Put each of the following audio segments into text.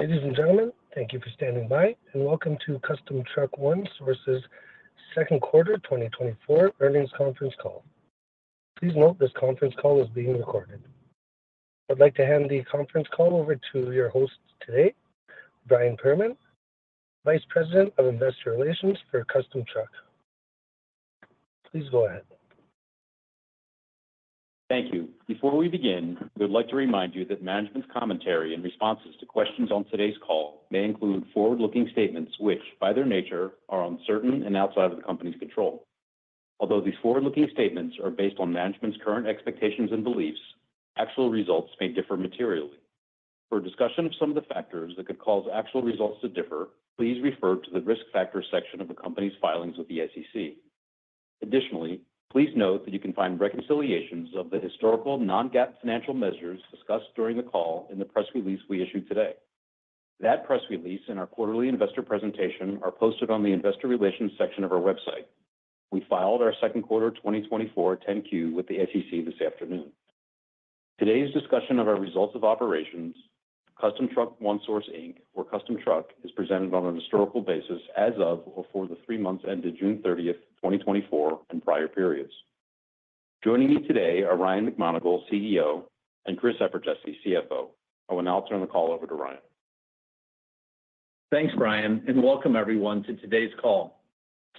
Ladies and gentlemen, thank you for standing by, and welcome to Custom Truck One Source's second quarter 2024 earnings conference call. Please note this conference call is being recorded. I'd like to hand the conference call over to your host today, Brian Perman, Vice President of Investor Relations for Custom Truck. Please go ahead. Thank you. Before we begin, we'd like to remind you that management's commentary and responses to questions on today's call may include forward-looking statements which, by their nature, are uncertain and outside of the company's control. Although these forward-looking statements are based on management's current expectations and beliefs, actual results may differ materially. For a discussion of some of the factors that could cause actual results to differ, please refer to the risk factor section of the company's filings with the SEC. Additionally, please note that you can find reconciliations of the historical non-GAAP financial measures discussed during the call in the press release we issued today. That press release and our quarterly investor presentation are posted on the investor relations section of our website. We filed our second quarter 2024 10-Q with the SEC this afternoon. Today's discussion of our results of operations, Custom Truck One Source Inc., or Custom Truck, is presented on a historical basis as of or for the three months ended June 30th, 2024, and prior periods. Joining me today are Ryan McMonagle, CEO, and Chris Eperjesy, CFO. I will now turn the call over to Ryan. Thanks, Brian, and welcome everyone to today's call.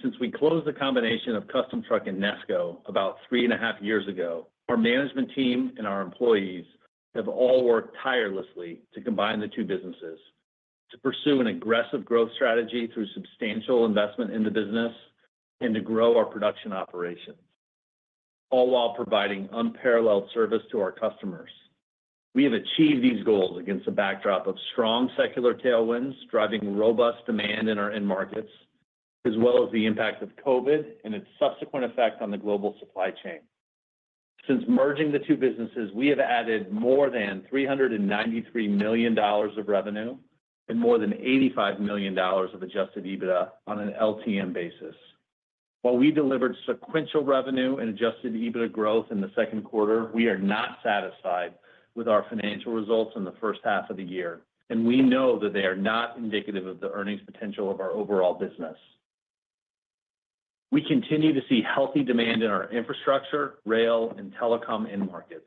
Since we closed the combination of Custom Truck and Nesco about three and a half years ago, our management team and our employees have all worked tirelessly to combine the two businesses, to pursue an aggressive growth strategy through substantial investment in the business, and to grow our production operations, all while providing unparalleled service to our customers. We have achieved these goals against the backdrop of strong secular tailwinds driving robust demand in our end markets, as well as the impact of COVID and its subsequent effect on the global supply chain. Since merging the two businesses, we have added more than $393 million of revenue and more than $85 million of adjusted EBITDA on an LTM basis. While we delivered sequential revenue and Adjusted EBITDA growth in the second quarter, we are not satisfied with our financial results in the first half of the year, and we know that they are not indicative of the earnings potential of our overall business. We continue to see healthy demand in our infrastructure, rail, and telecom end markets,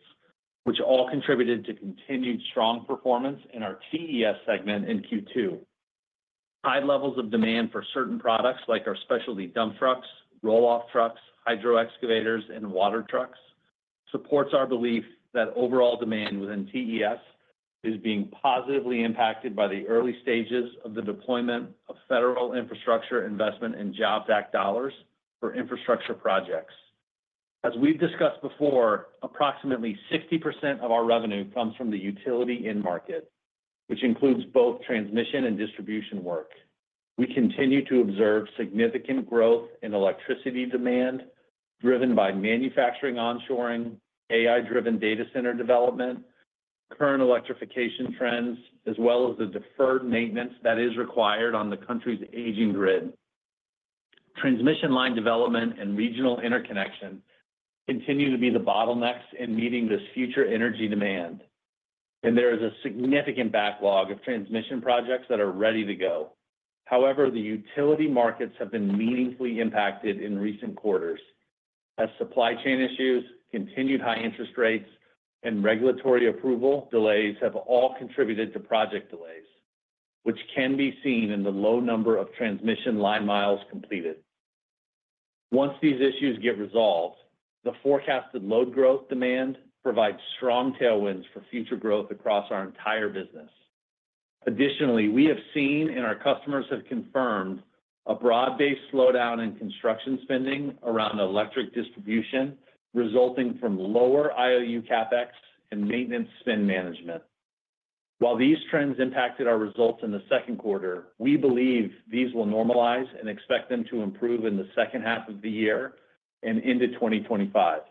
which all contributed to continued strong performance in our TES segment in Q2. High levels of demand for certain products like our specialty dump trucks, roll-off trucks, hydro excavators, and water trucks support our belief that overall demand within TES is being positively impacted by the early stages of the deployment of federal infrastructure investment and Jobs Act dollars for infrastructure projects. As we've discussed before, approximately 60% of our revenue comes from the utility end market, which includes both transmission and distribution work. We continue to observe significant growth in electricity demand driven by manufacturing onshoring, AI-driven data center development, current electrification trends, as well as the deferred maintenance that is required on the country's aging grid. Transmission line development and regional interconnection continue to be the bottlenecks in meeting this future energy demand, and there is a significant backlog of transmission projects that are ready to go. However, the utility markets have been meaningfully impacted in recent quarters as supply chain issues, continued high interest rates, and regulatory approval delays have all contributed to project delays, which can be seen in the low number of transmission line miles completed. Once these issues get resolved, the forecasted load growth demand provides strong tailwinds for future growth across our entire business. Additionally, we have seen, and our customers have confirmed, a broad-based slowdown in construction spending around electric distribution resulting from lower IOU CapEx and maintenance spend management. While these trends impacted our results in the second quarter, we believe these will normalize and expect them to improve in the second half of the year and into 2025.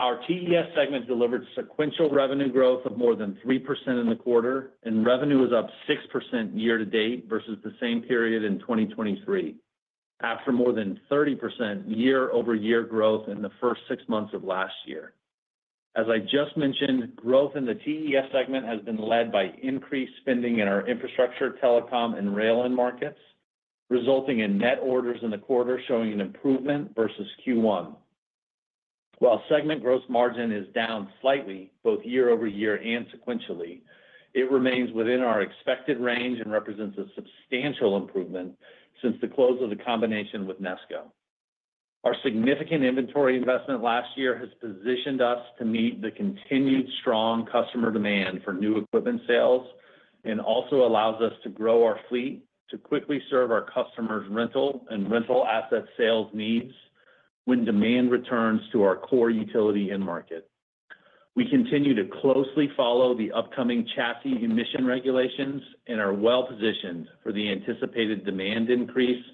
Our TES segment delivered sequential revenue growth of more than 3% in the quarter, and revenue is up 6% year-to-date versus the same period in 2023, after more than 30% year-over-year growth in the first six months of last year. As I just mentioned, growth in the TES segment has been led by increased spending in our infrastructure, telecom, and rail end markets, resulting in net orders in the quarter showing an improvement versus Q1. While segment gross margin is down slightly both year-over-year and sequentially, it remains within our expected range and represents a substantial improvement since the close of the combination with Nesco. Our significant inventory investment last year has positioned us to meet the continued strong customer demand for new equipment sales and also allows us to grow our fleet to quickly serve our customers' rental and rental asset sales needs when demand returns to our core utility end market. We continue to closely follow the upcoming chassis emission regulations and are well-positioned for the anticipated demand increase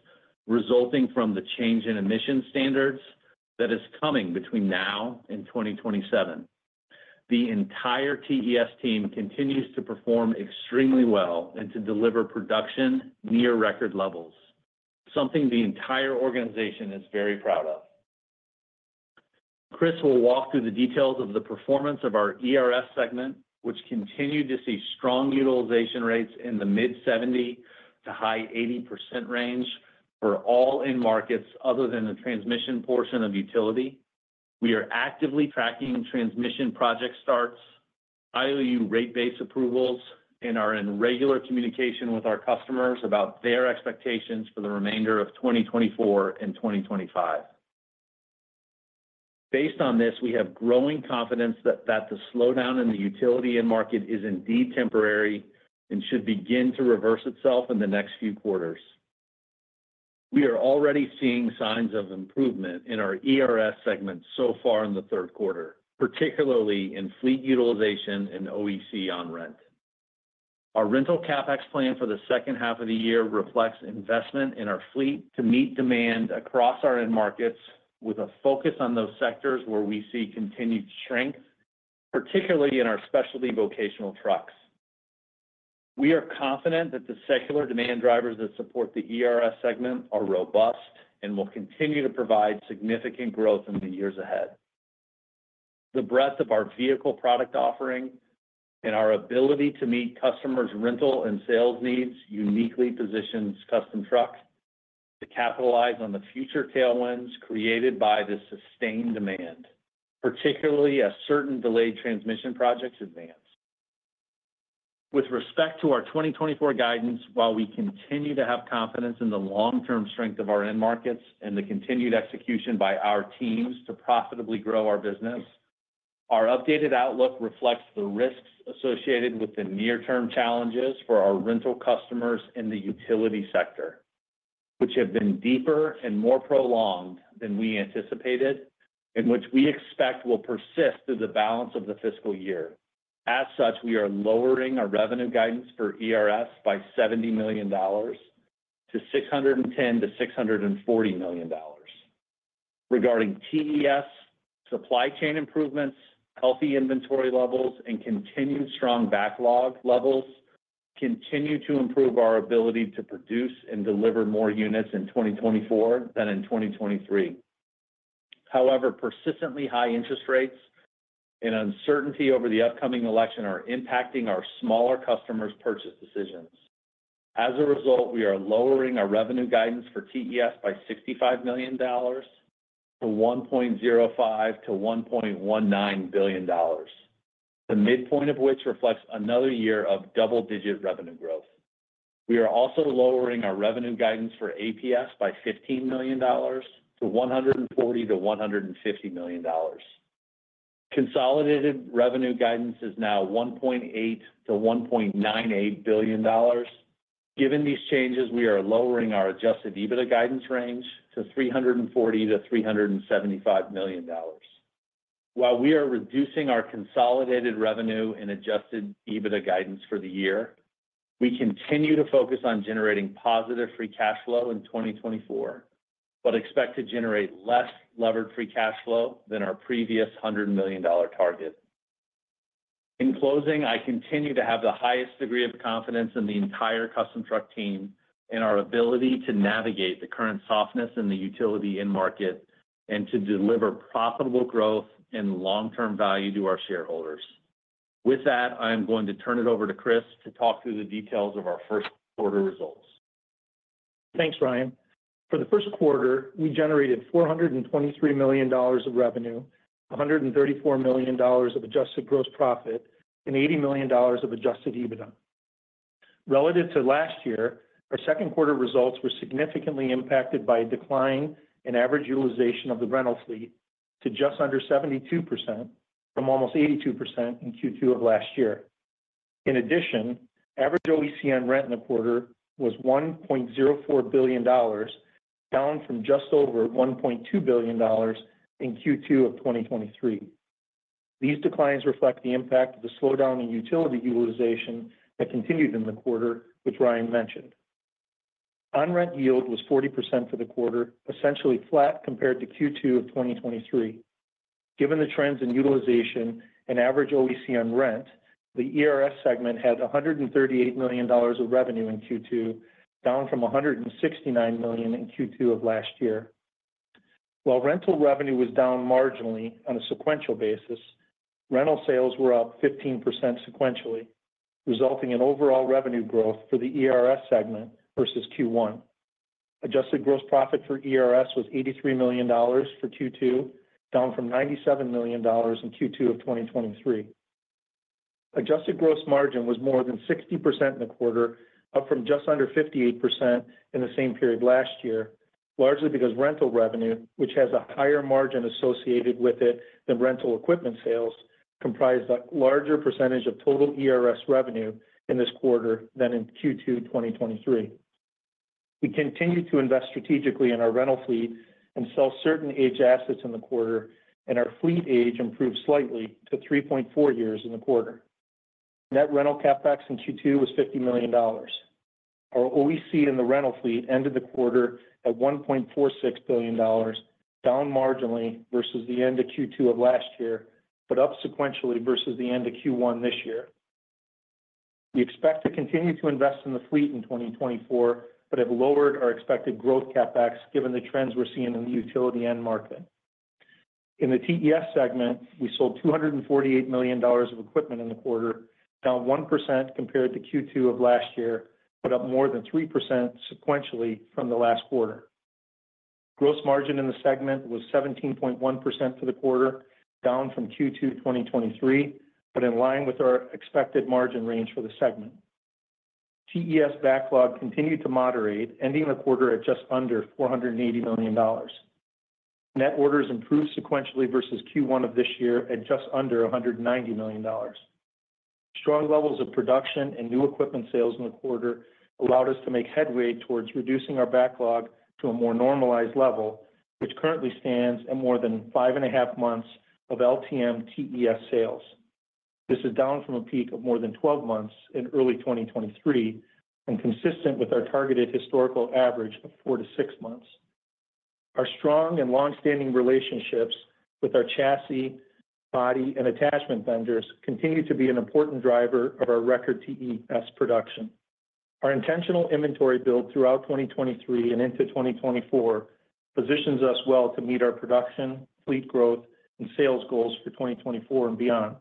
resulting from the change in emission standards that is coming between now and 2027. The entire TES team continues to perform extremely well and to deliver production near record levels, something the entire organization is very proud of. Chris will walk through the details of the performance of our ERS segment, which continued to see strong utilization rates in the mid-70% to high 80% range for all end markets other than the transmission portion of utility. We are actively tracking transmission project starts, IOU rate base approvals, and are in regular communication with our customers about their expectations for the remainder of 2024 and 2025. Based on this, we have growing confidence that the slowdown in the utility end market is indeed temporary and should begin to reverse itself in the next few quarters. We are already seeing signs of improvement in our ERS segment so far in the third quarter, particularly in fleet utilization and OEC on rent. Our rental CapEx plan for the second half of the year reflects investment in our fleet to meet demand across our end markets, with a focus on those sectors where we see continued strength, particularly in our specialty vocational trucks. We are confident that the secular demand drivers that support the ERS segment are robust and will continue to provide significant growth in the years ahead. The breadth of our vehicle product offering and our ability to meet customers' rental and sales needs uniquely positions Custom Truck to capitalize on the future tailwinds created by the sustained demand, particularly as certain delayed transmission projects advance. With respect to our 2024 guidance, while we continue to have confidence in the long-term strength of our end markets and the continued execution by our teams to profitably grow our business, our updated outlook reflects the risks associated with the near-term challenges for our rental customers in the utility sector, which have been deeper and more prolonged than we anticipated and which we expect will persist through the balance of the fiscal year. As such, we are lowering our revenue guidance for ERS by $70 million to $610 million-$640 million. Regarding TES, supply chain improvements, healthy inventory levels, and continued strong backlog levels continue to improve our ability to produce and deliver more units in 2024 than in 2023. However, persistently high interest rates and uncertainty over the upcoming election are impacting our smaller customers' purchase decisions. As a result, we are lowering our revenue guidance for TES by $65 million to $1.05 billion-$1.19 billion, the midpoint of which reflects another year of double-digit revenue growth. We are also lowering our revenue guidance for APS by $15 million to $140 million-$150 million. Consolidated revenue guidance is now $1.8 billion-$1.98 billion. Given these changes, we are lowering our Adjusted EBITDA guidance range to $340 million-$375 million. While we are reducing our consolidated revenue and Adjusted EBITDA guidance for the year, we continue to focus on generating positive free cash flow in 2024 but expect to generate less levered free cash flow than our previous $100 million target. In closing, I continue to have the highest degree of confidence in the entire Custom Truck team and our ability to navigate the current softness in the utility end market and to deliver profitable growth and long-term value to our shareholders. With that, I am going to turn it over to Chris to talk through the details of our first quarter results. Thanks, Ryan. For the first quarter, we generated $423 million of revenue, $134 million of adjusted gross profit, and $80 million of adjusted EBITDA. Relative to last year, our second quarter results were significantly impacted by a decline in average utilization of the rental fleet to just under 72% from almost 82% in Q2 of last year. In addition, average OEC on rent in the quarter was $1.04 billion, down from just over $1.2 billion in Q2 of 2023. These declines reflect the impact of the slowdown in utility utilization that continued in the quarter, which Ryan mentioned. On-rent yield was 40% for the quarter, essentially flat compared to Q2 of 2023. Given the trends in utilization and average OEC on rent, the ERS segment had $138 million of revenue in Q2, down from $169 million in Q2 of last year. While rental revenue was down marginally on a sequential basis, rental sales were up 15% sequentially, resulting in overall revenue growth for the ERS segment versus Q1. Adjusted gross profit for ERS was $83 million for Q2, down from $97 million in Q2 of 2023. Adjusted gross margin was more than 60% in the quarter, up from just under 58% in the same period last year, largely because rental revenue, which has a higher margin associated with it than rental equipment sales, comprised a larger percentage of total ERS revenue in this quarter than in Q2 2023. We continue to invest strategically in our rental fleet and sell certain age assets in the quarter, and our fleet age improved slightly to 3.4 years in the quarter. Net rental CapEx in Q2 was $50 million. Our OEC in the rental fleet ended the quarter at $1.46 billion, down marginally versus the end of Q2 of last year but up sequentially versus the end of Q1 this year. We expect to continue to invest in the fleet in 2024 but have lowered our expected growth CapEx given the trends we're seeing in the utility end market. In the TES segment, we sold $248 million of equipment in the quarter, down 1% compared to Q2 of last year, but up more than 3% sequentially from the last quarter. Gross margin in the segment was 17.1% for the quarter, down from Q2 2023 but in line with our expected margin range for the segment. TES backlog continued to moderate, ending the quarter at just under $480 million. Net orders improved sequentially versus Q1 of this year at just under $190 million. Strong levels of production and new equipment sales in the quarter allowed us to make headway towards reducing our backlog to a more normalized level, which currently stands at more than 5.5 months of LTM TES sales. This is down from a peak of more than 12 months in early 2023 and consistent with our targeted historical average of 4-6 months. Our strong and long-standing relationships with our chassis, body, and attachment vendors continue to be an important driver of our record TES production. Our intentional inventory build throughout 2023 and into 2024 positions us well to meet our production, fleet growth, and sales goals for 2024 and beyond.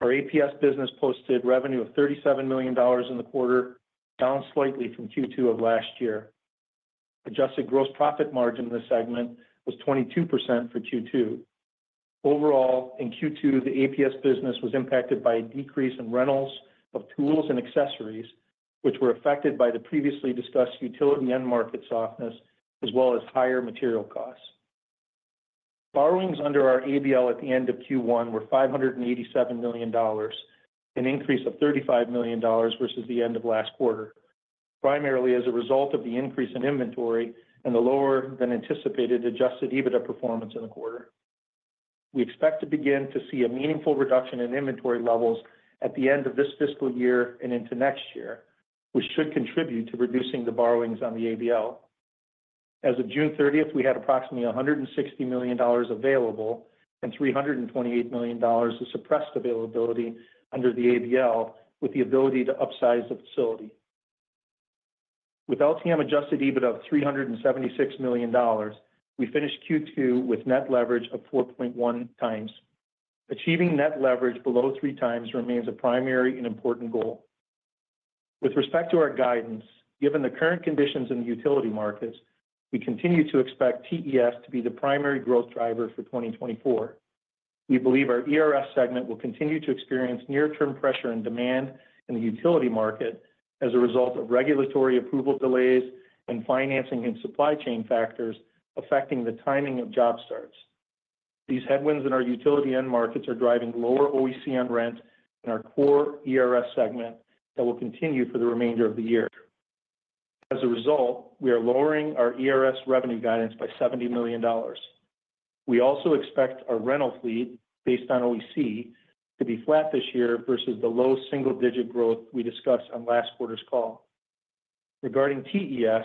Our APS business posted revenue of $37 million in the quarter, down slightly from Q2 of last year. Adjusted gross profit margin in the segment was 22% for Q2. Overall, in Q2, the APS business was impacted by a decrease in rentals of tools and accessories, which were affected by the previously discussed utility end market softness as well as higher material costs. Borrowings under our ABL at the end of Q1 were $587 million, an increase of $35 million versus the end of last quarter, primarily as a result of the increase in inventory and the lower-than-anticipated Adjusted EBITDA performance in the quarter. We expect to begin to see a meaningful reduction in inventory levels at the end of this fiscal year and into next year, which should contribute to reducing the borrowings on the ABL. As of June 30th, we had approximately $160 million available and $328 million of suppressed availability under the ABL with the ability to upsize the facility. With LTM Adjusted EBITDA of $376 million, we finished Q2 with net leverage of 4.1x. Achieving net leverage below 3x remains a primary and important goal. With respect to our guidance, given the current conditions in the utility markets, we continue to expect TES to be the primary growth driver for 2024. We believe our ERS segment will continue to experience near-term pressure in demand in the utility market as a result of regulatory approval delays and financing and supply chain factors affecting the timing of job starts. These headwinds in our utility end markets are driving lower OEC on rent in our core ERS segment that will continue for the remainder of the year. As a result, we are lowering our ERS revenue guidance by $70 million. We also expect our rental fleet, based on OEC, to be flat this year versus the low single-digit growth we discussed on last quarter's call. Regarding TES,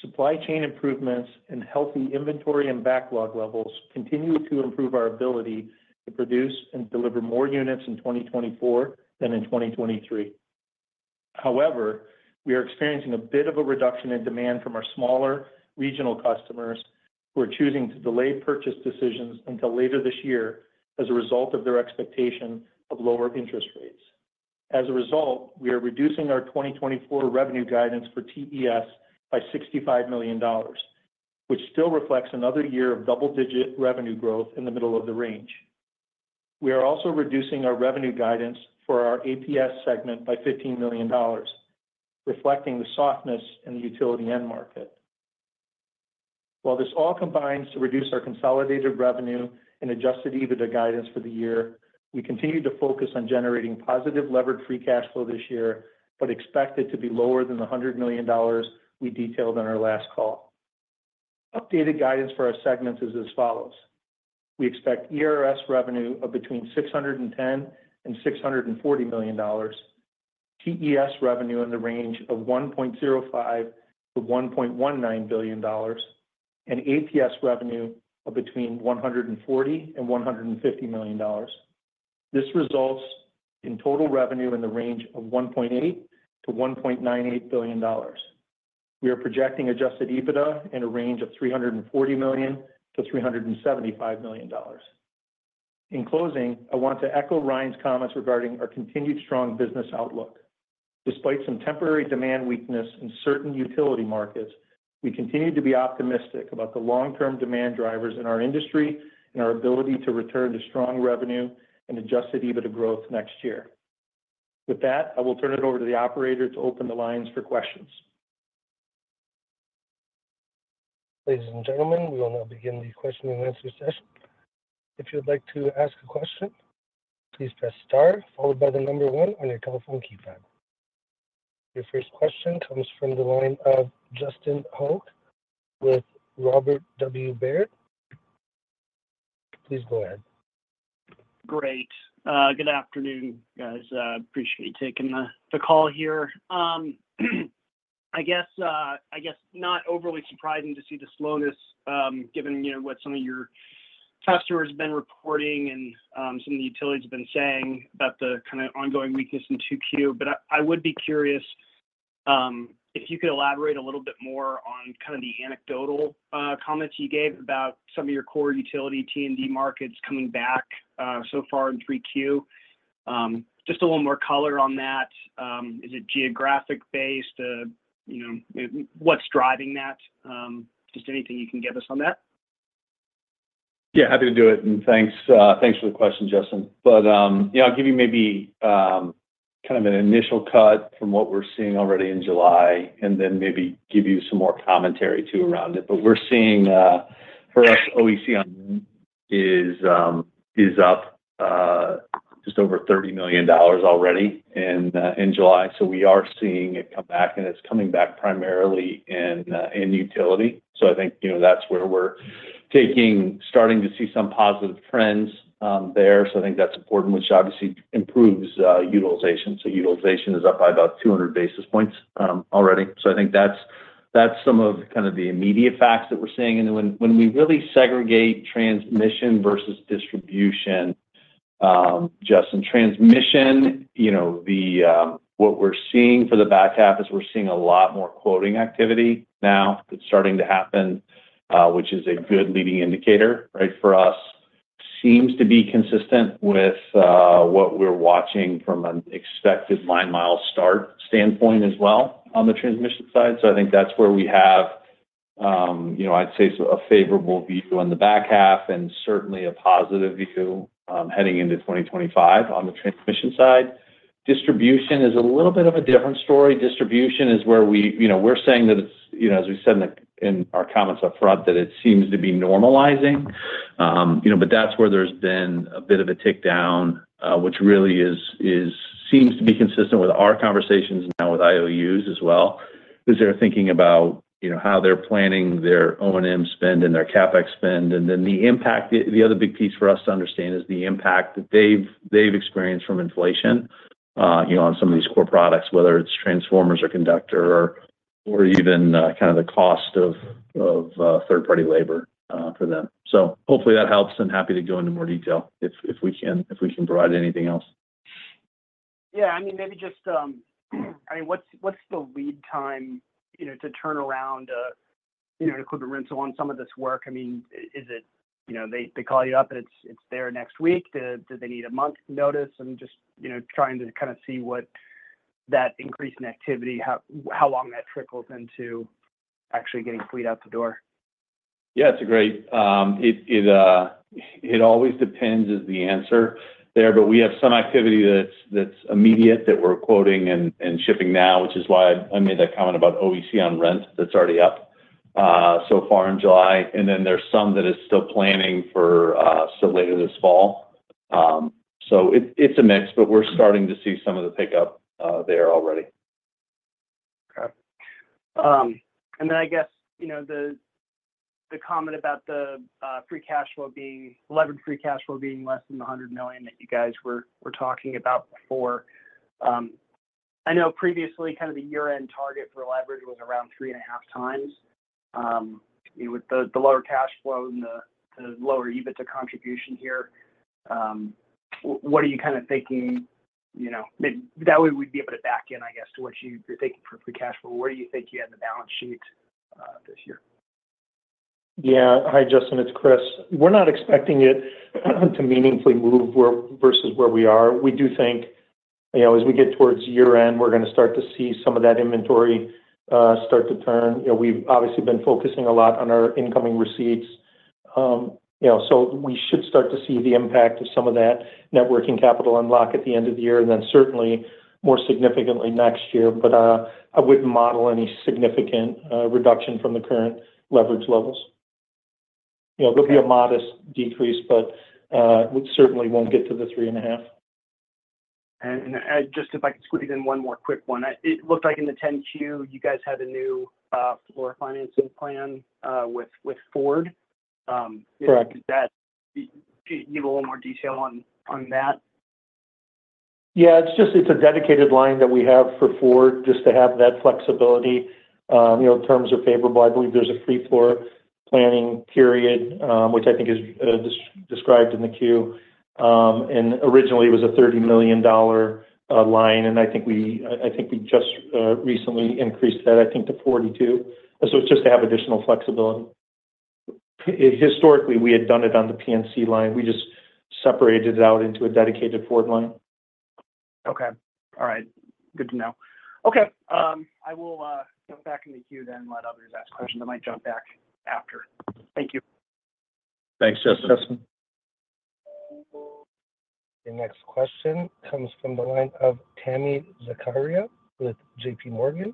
supply chain improvements and healthy inventory and backlog levels continue to improve our ability to produce and deliver more units in 2024 than in 2023. However, we are experiencing a bit of a reduction in demand from our smaller regional customers who are choosing to delay purchase decisions until later this year as a result of their expectation of lower interest rates. As a result, we are reducing our 2024 revenue guidance for TES by $65 million, which still reflects another year of double-digit revenue growth in the middle of the range. We are also reducing our revenue guidance for our APS segment by $15 million, reflecting the softness in the utility end market. While this all combines to reduce our consolidated revenue and adjusted EBITDA guidance for the year, we continue to focus on generating positive levered free cash flow this year but expect it to be lower than the $100 million we detailed on our last call. Updated guidance for our segments is as follows. We expect ERS revenue of between $610 million-$640 million, TES revenue in the range of $1.05 billion-$1.19 billion, and APS revenue of between $140 million-$150 million. This results in total revenue in the range of $1.8 billion-$1.98 billion. We are projecting adjusted EBITDA in a range of $340 million-$375 million. In closing, I want to echo Ryan's comments regarding our continued strong business outlook. Despite some temporary demand weakness in certain utility markets, we continue to be optimistic about the long-term demand drivers in our industry and our ability to return to strong revenue and Adjusted EBITDA growth next year. With that, I will turn it over to the operator to open the lines for questions. Ladies and gentlemen, we will now begin the question and answer session. If you would like to ask a question, please press star followed by the number one on your telephone keypad. Your first question comes from the line of Justin Hauke with Robert W. Baird. Please go ahead. Great. Good afternoon, guys. Appreciate you taking the call here. I guess not overly surprising to see the slowness given what some of your customers have been reporting and some of the utilities have been saying about the kind of ongoing weakness in Q2. But I would be curious if you could elaborate a little bit more on kind of the anecdotal comments you gave about some of your core utility T&D markets coming back so far in Q3. Just a little more color on that. Is it geographic based? What's driving that? Just anything you can give us on that. Yeah, happy to do it. Thanks for the question, Justin. I'll give you maybe kind of an initial cut from what we're seeing already in July and then maybe give you some more commentary too around it. We're seeing, for us, OEC on rent is up just over $30 million already in July. We are seeing it come back, and it's coming back primarily in utility. I think that's where we're starting to see some positive trends there. I think that's important, which obviously improves utilization. Utilization is up by about 200 basis points already. I think that's some of kind of the immediate facts that we're seeing. When we really segregate transmission versus distribution, Justin, transmission, what we're seeing for the back half is we're seeing a lot more quoting activity now. It's starting to happen, which is a good leading indicator, right, for us. Seems to be consistent with what we're watching from an expected line-mile start standpoint as well on the transmission side. So I think that's where we have, I'd say, a favorable view on the back half and certainly a positive view heading into 2025 on the transmission side. Distribution is a little bit of a different story. Distribution is where we're saying that, as we said in our comments up front, that it seems to be normalizing. But that's where there's been a bit of a tick down, which really seems to be consistent with our conversations now with IOUs as well, as they're thinking about how they're planning their O&M spend and their CapEx spend. And then the other big piece for us to understand is the impact that they've experienced from inflation on some of these core products, whether it's transformers or conductor or even kind of the cost of third-party labor for them. So hopefully that helps. I'm happy to go into more detail if we can provide anything else. Yeah. I mean, maybe just, I mean, what's the lead time to turn around an equipment rental on some of this work? I mean, is it they call you up and it's there next week? Do they need a month notice? I'm just trying to kind of see what that increase in activity, how long that trickles into actually getting fleet out the door. Yeah, it's great. It always depends is the answer there. But we have some activity that's immediate that we're quoting and shipping now, which is why I made that comment about OEC on rent that's already up so far in July. And then there's some that is still planning for later this fall. So it's a mix, but we're starting to see some of the pickup there already. Okay. And then I guess the comment about the free cash flow being levered free cash flow being less than $100 million that you guys were talking about before. I know previously kind of the year-end target for leverage was around 3.5x with the lower cash flow and the lower EBITDA contribution here. What are you kind of thinking? That way we'd be able to back in, I guess, to what you're thinking for free cash flow. Where do you think you had the balance sheet this year? Yeah. Hi, Justin. It's Chris. We're not expecting it to meaningfully move versus where we are. We do think as we get towards year-end, we're going to start to see some of that inventory start to turn. We've obviously been focusing a lot on our incoming receipts. So we should start to see the impact of some of that working capital unlock at the end of the year and then certainly more significantly next year. But I wouldn't model any significant reduction from the current leverage levels. There'll be a modest decrease, but we certainly won't get to the 3.5x. Just if I could squeeze in one more quick one. It looked like in the 10-Q, you guys had a new floor financing plan with Ford. Correct. Do you have a little more detail on that? Yeah. It's a dedicated line that we have for Ford just to have that flexibility. In terms of favorable, I believe there's a free floor planning period, which I think is described in the Q. And originally, it was a $30 million line. And I think we just recently increased that, I think, to $42 million. So it's just to have additional flexibility. Historically, we had done it on the PNC line. We just separated it out into a dedicated Ford line. Okay. All right. Good to know. Okay. I will jump back into queue then and let others ask questions that might jump back after. Thank you. Thanks, Justin. Justin. The next question comes from the line of Tami Zakaria with JPMorgan.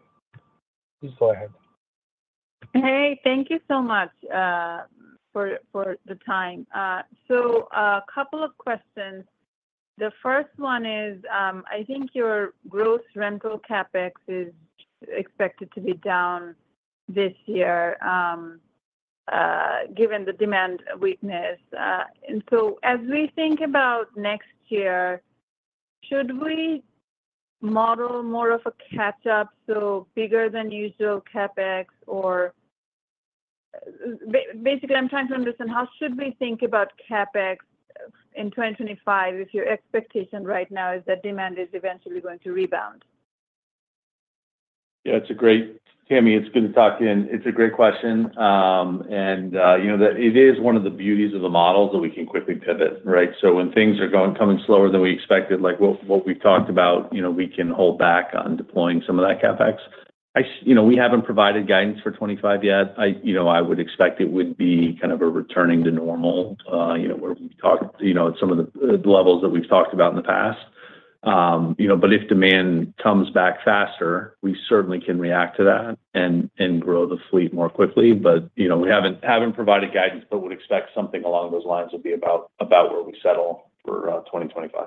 Please go ahead. Hey, thank you so much for the time. So a couple of questions. The first one is, I think your gross rental CapEx is expected to be down this year given the demand weakness. And so as we think about next year, should we model more of a catch-up, so bigger-than-usual CapEx? Or basically, I'm trying to understand how should we think about CapEx in 2025 if your expectation right now is that demand is eventually going to rebound? Yeah. Tami, it's good to talk to you. It's a great question. And it is one of the beauties of the models that we can quickly pivot, right? So when things are coming slower than we expected, like what we've talked about, we can hold back on deploying some of that CapEx. We haven't provided guidance for 2025 yet. I would expect it would be kind of a returning to normal where we've talked at some of the levels that we've talked about in the past. But if demand comes back faster, we certainly can react to that and grow the fleet more quickly. But we haven't provided guidance, but would expect something along those lines would be about where we settle for 2025.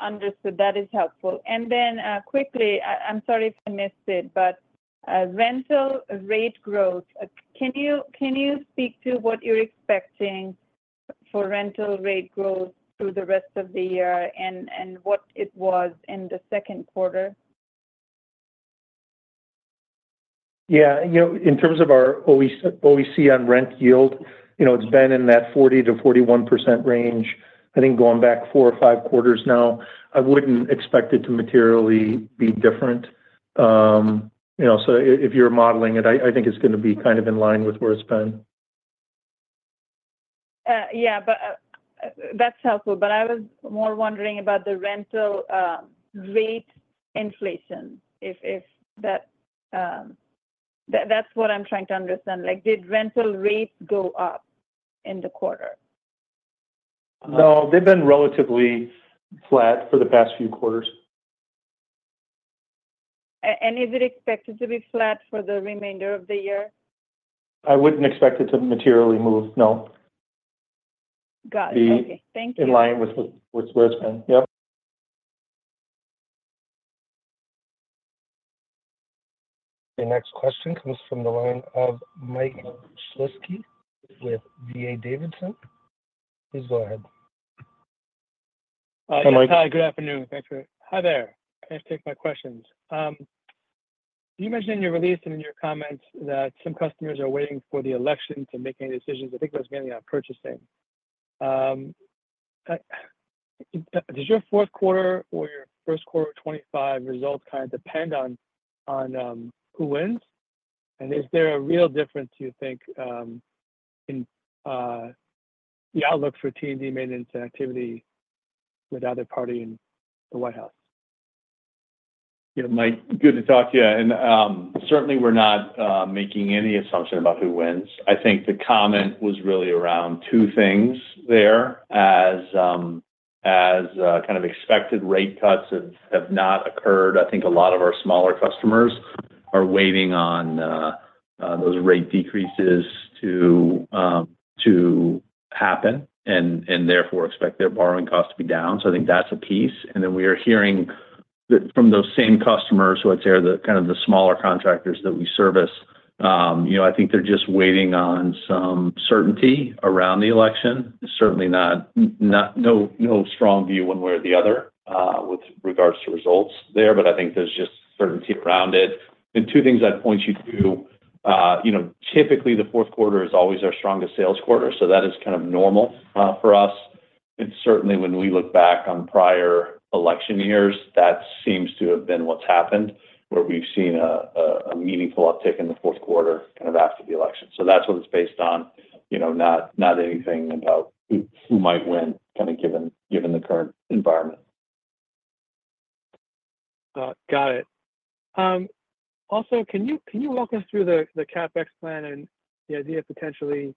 Understood. That is helpful. Then quickly, I'm sorry if I missed it, but rental rate growth, can you speak to what you're expecting for rental rate growth through the rest of the year and what it was in the second quarter? Yeah. In terms of our OEC on rent yield, it's been in that 40%-41% range. I think going back four or five quarters now, I wouldn't expect it to materially be different. So if you're modeling it, I think it's going to be kind of in line with where it's been. Yeah. That's helpful. But I was more wondering about the rental rate inflation, if that's what I'm trying to understand. Did rental rates go up in the quarter? No, they've been relatively flat for the past few quarters. Is it expected to be flat for the remainder of the year? I wouldn't expect it to materially move, no. Got it. Okay. Thank you. In line with where it's been. Yep. The next question comes from the line of Mike Shlisky with D.A. Davidson. Please go ahead. Hi, Mike. Hi. Good afternoon. Thanks for—hi there. I have to take my questions. You mentioned in your release and in your comments that some customers are waiting for the election to make any decisions. I think that was mainly on purchasing. Does your fourth quarter or your first quarter of 2025 results kind of depend on who wins? And is there a real difference, do you think, in the outlook for T&D maintenance and activity with either party in the White House? Yeah, Mike, good to talk to you. And certainly, we're not making any assumption about who wins. I think the comment was really around two things there. As kind of expected, rate cuts have not occurred. I think a lot of our smaller customers are waiting on those rate decreases to happen and therefore expect their borrowing costs to be down. So I think that's a piece. And then we are hearing from those same customers, who I'd say are kind of the smaller contractors that we service. I think they're just waiting on some certainty around the election. Certainly no strong view one way or the other with regards to results there. But I think there's just certainty around it. And two things I'd point you to. Typically, the fourth quarter is always our strongest sales quarter. So that is kind of normal for us. Certainly, when we look back on prior election years, that seems to have been what's happened, where we've seen a meaningful uptick in the fourth quarter kind of after the election. That's what it's based on, not anything about who might win kind of given the current environment. Got it. Also, can you walk us through the CapEx plan and the idea of potentially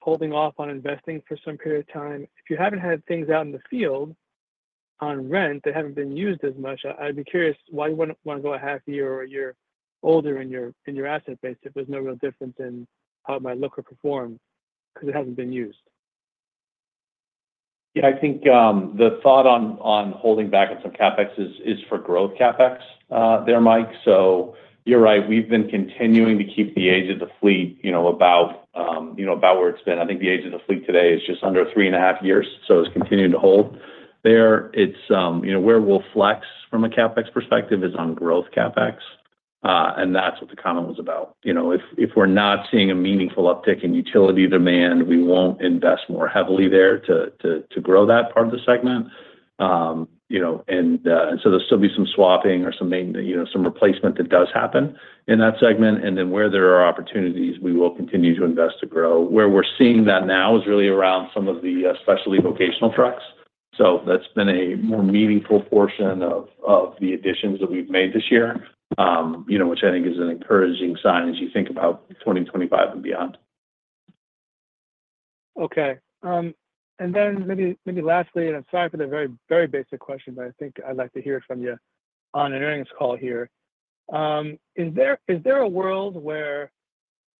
holding off on investing for some period of time? If you haven't had things out in the field on rent that haven't been used as much, I'd be curious why you wouldn't want to go a half year or a year older in your asset base if there's no real difference in how it might look or perform because it hasn't been used. Yeah. I think the thought on holding back on some CapEx is for growth CapEx there, Mike. So you're right. We've been continuing to keep the age of the fleet about where it's been. I think the age of the fleet today is just under 3.5 years. So it's continuing to hold there. Where we'll flex from a CapEx perspective is on growth CapEx. That's what the comment was about. If we're not seeing a meaningful uptick in utility demand, we won't invest more heavily there to grow that part of the segment. So there'll still be some swapping or some replacement that does happen in that segment. Then where there are opportunities, we will continue to invest to grow. Where we're seeing that now is really around some of the specialty vocational trucks. So that's been a more meaningful portion of the additions that we've made this year, which I think is an encouraging sign as you think about 2025 and beyond. Okay. And then maybe lastly, and I'm sorry for the very basic question, but I think I'd like to hear it from you on an earnings call here. Is there a world where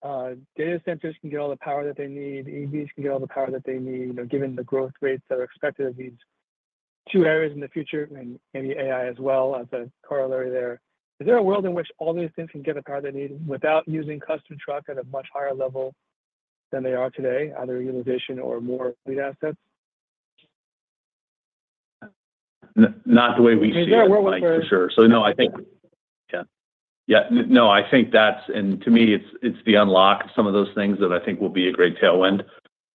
data centers can get all the power that they need, EVs can get all the power that they need, given the growth rates that are expected of these two areas in the future and maybe AI as well as a corollary there? Is there a world in which all these things can get the power they need without using custom trucks at a much higher level than they are today, either utilization or more fleet assets? Not the way we see it, Mike, for sure. So no, I think that's, and to me, it's the unlock of some of those things that I think will be a great tailwind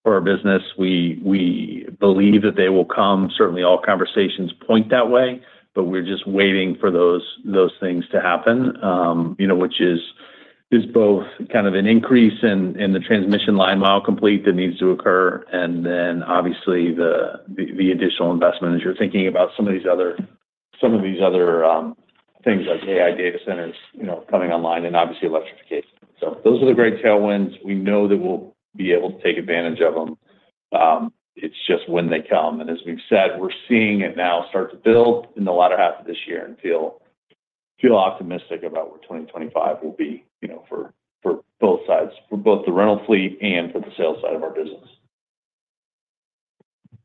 for our business. We believe that they will come. Certainly, all conversations point that way. But we're just waiting for those things to happen, which is both kind of an increase in the transmission line mile complete that needs to occur, and then obviously the additional investment as you're thinking about some of these other things like AI data centers coming online and obviously electrification. So those are the great tailwinds. We know that we'll be able to take advantage of them. It's just when they come. As we've said, we're seeing it now start to build in the latter half of this year and feel optimistic about where 2025 will be for both sides, for both the rental fleet and for the sales side of our business.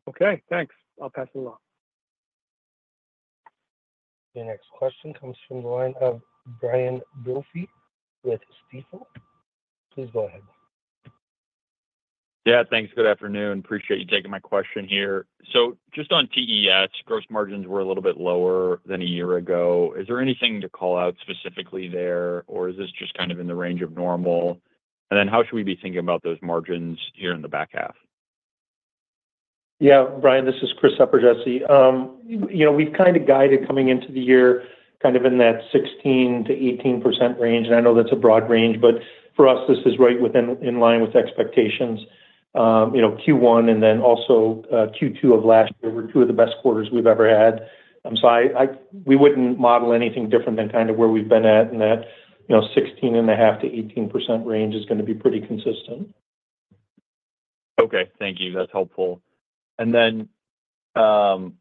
Okay. Thanks. I'll pass it along. The next question comes from the line of Brian Brophy with Stifel. Please go ahead. Yeah. Thanks. Good afternoon. Appreciate you taking my question here. So just on TES, gross margins were a little bit lower than a year ago. Is there anything to call out specifically there, or is this just kind of in the range of normal? And then how should we be thinking about those margins here in the back half? Yeah. Brian, this is Chris Eperjesy. We've kind of guided coming into the year kind of in that 16%-18% range. And I know that's a broad range. But for us, this is right in line with expectations. Q1 and then also Q2 of last year were two of the best quarters we've ever had. So we wouldn't model anything different than kind of where we've been at, and that 16.5%-18% range is going to be pretty consistent. Okay. Thank you. That's helpful. And then kind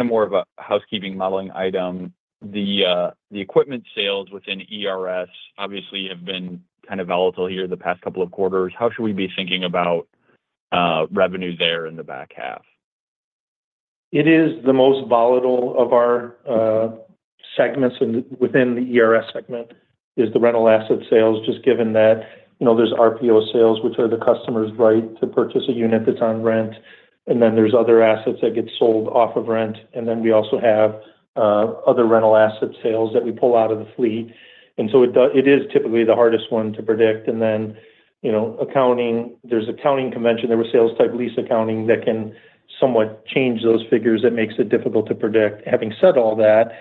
of more of a housekeeping modeling item, the equipment sales within ERS obviously have been kind of volatile here the past couple of quarters. How should we be thinking about revenue there in the back half? It is the most volatile of our segments within the ERS segment is the rental asset sales, just given that there's RPO sales, which are the customers' right to purchase a unit that's on rent. And then there's other assets that get sold off of rent. And then we also have other rental asset sales that we pull out of the fleet. And so it is typically the hardest one to predict. And then accounting, there's accounting convention. There were sales-type lease accounting that can somewhat change those figures that makes it difficult to predict. Having said all that,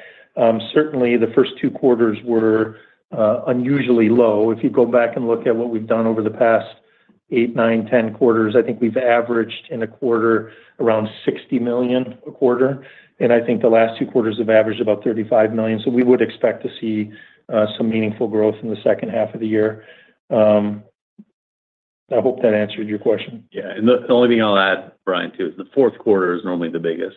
certainly the first two quarters were unusually low. If you go back and look at what we've done over the past eight, nine, 10 quarters, I think we've averaged in a quarter around $60 million a quarter. And I think the last two quarters have averaged about $35 million. So we would expect to see some meaningful growth in the second half of the year. I hope that answered your question. Yeah. And the only thing I'll add, Brian, too, is the fourth quarter is normally the biggest,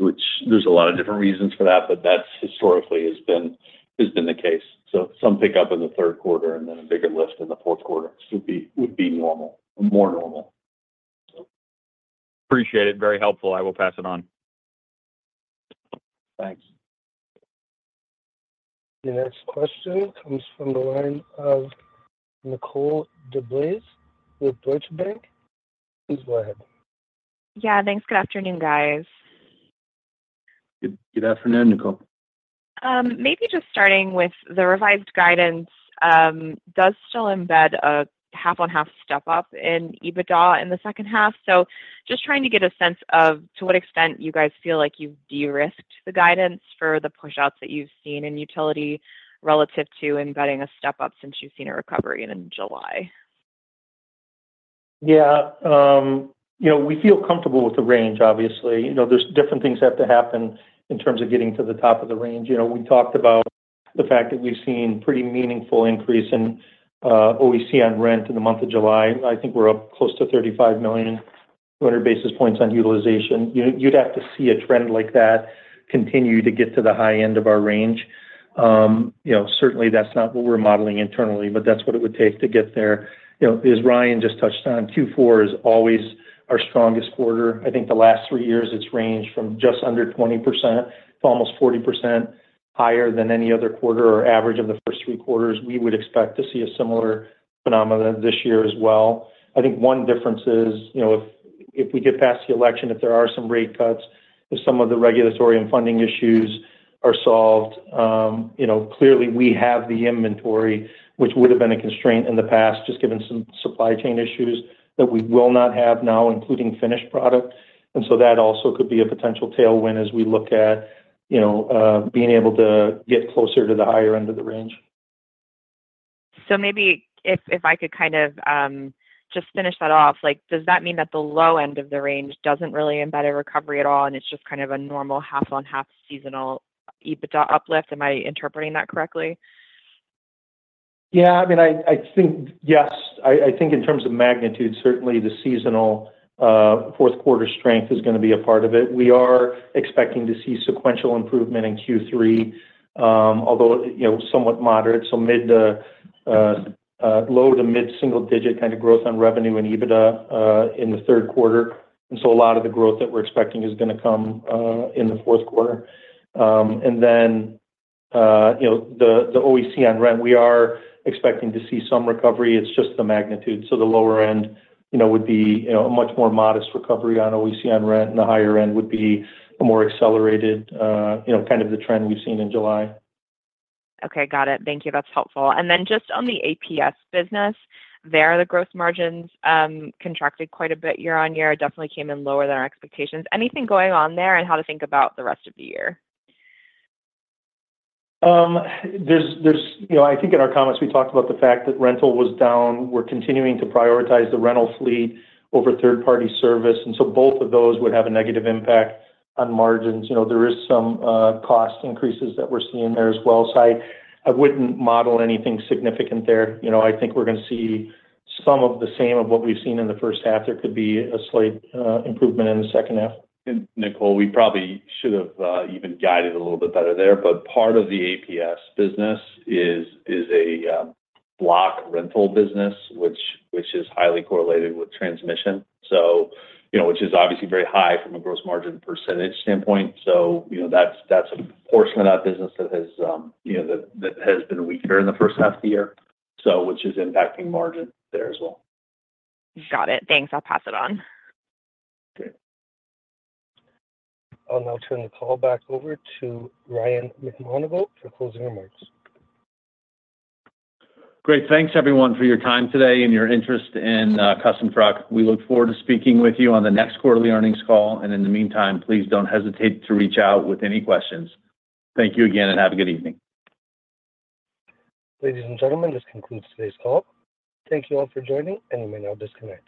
which there's a lot of different reasons for that, but that historically has been the case. So some pickup in the third quarter and then a bigger lift in the fourth quarter would be normal, more normal. Appreciate it. Very helpful. I will pass it on. Thanks. The next question comes from the line of Nicole DeBlase with Deutsche Bank. Please go ahead. Yeah. Thanks. Good afternoon, guys. Good afternoon, Nicole. Maybe just starting with the revised guidance does still embed a half-on-half step-up in EBITDA in the second half. So just trying to get a sense of to what extent you guys feel like you've de-risked the guidance for the push-outs that you've seen in utility relative to embedding a step-up since you've seen a recovery in July. Yeah. We feel comfortable with the range, obviously. There's different things that have to happen in terms of getting to the top of the range. We talked about the fact that we've seen pretty meaningful increase in OEC on rent in the month of July. I think we're up close to $35 million, 200 basis points on utilization. You'd have to see a trend like that continue to get to the high end of our range. Certainly, that's not what we're modeling internally, but that's what it would take to get there. As Ryan just touched on, Q4 is always our strongest quarter. I think the last three years, it's ranged from just under 20% to almost 40% higher than any other quarter or average of the first three quarters. We would expect to see a similar phenomenon this year as well. I think one difference is if we get past the election, if there are some rate cuts, if some of the regulatory and funding issues are solved, clearly we have the inventory, which would have been a constraint in the past, just given some supply chain issues that we will not have now, including finished product. And so that also could be a potential tailwind as we look at being able to get closer to the higher end of the range. So maybe if I could kind of just finish that off, does that mean that the low end of the range doesn't really embed a recovery at all, and it's just kind of a normal half-on-half seasonal EBITDA uplift? Am I interpreting that correctly? Yeah. I mean, I think yes. I think in terms of magnitude, certainly the seasonal fourth quarter strength is going to be a part of it. We are expecting to see sequential improvement in Q3, although somewhat moderate. So low to mid-single-digit kind of growth on revenue and EBITDA in the third quarter. And so a lot of the growth that we're expecting is going to come in the fourth quarter. And then the OEC on rent, we are expecting to see some recovery. It's just the magnitude. So the lower end would be a much more modest recovery on OEC on rent, and the higher end would be a more accelerated kind of the trend we've seen in July. Okay. Got it. Thank you. That's helpful. And then just on the APS business, there, the gross margins contracted quite a bit year-over-year. It definitely came in lower than our expectations. Anything going on there and how to think about the rest of the year? I think in our comments, we talked about the fact that rental was down. We're continuing to prioritize the rental fleet over third-party service. And so both of those would have a negative impact on margins. There are some cost increases that we're seeing there as well. So I wouldn't model anything significant there. I think we're going to see some of the same of what we've seen in the first half. There could be a slight improvement in the second half. Nicole, we probably should have even guided a little bit better there. But part of the APS business is a block rental business, which is highly correlated with transmission, which is obviously very high from a gross margin percentage standpoint. So that's a portion of that business that has been weaker in the first half of the year, which is impacting margins there as well. Got it. Thanks. I'll pass it on. Great. I'll now turn the call back over to Ryan McMonagle for closing remarks. Great. Thanks, everyone, for your time today and your interest in Custom Truck. We look forward to speaking with you on the next quarterly earnings call. In the meantime, please don't hesitate to reach out with any questions. Thank you again and have a good evening. Ladies and gentlemen, this concludes today's call. Thank you all for joining, and you may now disconnect.